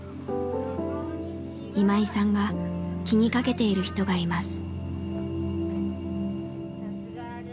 今井さんが気にかけている人がいます。